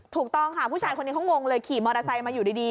ถูกต้องค่ะผู้ชายคนนี้เขางงเลยขี่มอเตอร์ไซค์มาอยู่ดี